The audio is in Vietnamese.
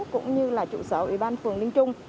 cũng như là trụ sở ủy ban phường ninh trung